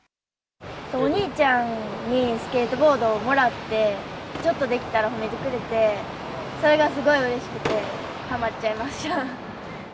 お兄ちゃんにスケートボードをもらって、ちょっとできたら褒めてくれて、それがすごいうれしくて、はまっちゃいました。